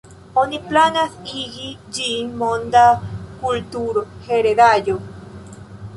Oni planas igi ĝin Monda kulturheredaĵo.